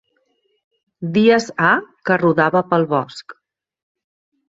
Dies ha que rodava pel bosc.